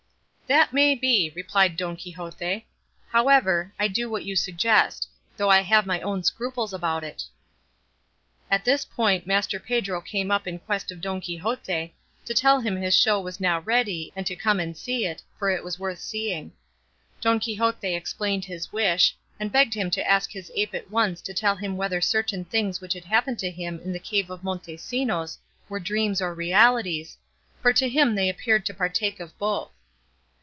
"That may be," replied Don Quixote; "however, I will do what you suggest; though I have my own scruples about it." At this point Master Pedro came up in quest of Don Quixote, to tell him the show was now ready and to come and see it, for it was worth seeing. Don Quixote explained his wish, and begged him to ask his ape at once to tell him whether certain things which had happened to him in the cave of Montesinos were dreams or realities, for to him they appeared to partake of both.